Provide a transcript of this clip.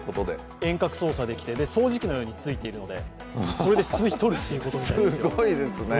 遠隔操作できて、掃除機のようについているのでそれで吸い取るということみたいですよ。